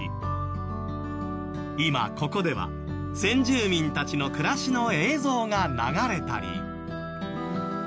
今ここでは先住民たちの暮らしの映像が流れたり。